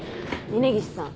峰岸さん。